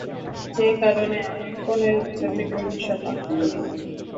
যে কারণে আমার পনেরো বছর থেকে উৎসব পালন করিনি।